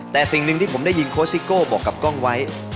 แต่สิ่งหนึ่งที่ผมได้ยินโค้ชซิโก้บอกกับกล้องไว้